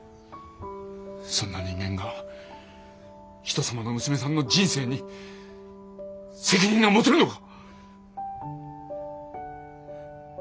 そんな人間が人様の娘さんの人生に責任が持てるのか！